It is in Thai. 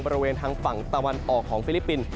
บริเวณทางฝั่งตะวันออกของฟิลิปปินส์